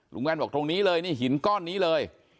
แว่นบอกตรงนี้เลยนี่หินก้อนนี้เลย